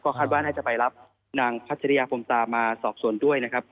คาดว่าน่าจะไปรับนางพัชริยาพรมตามาสอบสวนด้วยนะครับ